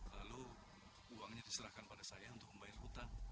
lalu uangnya diserahkan pada saya untuk membayar hutang